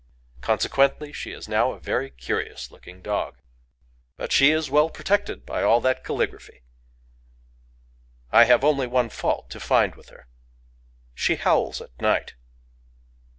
Consequently she is now a very curious looking dog; but she is well protected by all that calligraphy. I have only one fault to find with her: she howls at night.